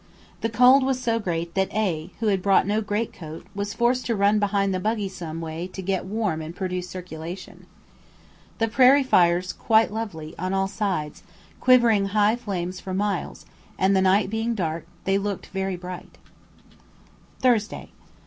The cold was so great that A , who had brought no great coat, was forced to run behind the buggy some way to get warm and produce circulation. The prairie fires quite lovely, on all sides, quivering high flames for miles, and the night being dark, they looked very bright. Thursday.